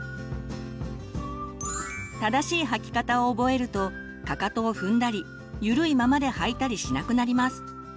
正しい履き方を覚えるとかかとを踏んだりゆるいままで履いたりしなくなります。